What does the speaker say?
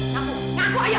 kamu ngaku ayah